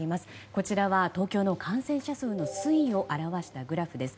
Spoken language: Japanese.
こちらは東京の感染者数の推移を表したグラフです。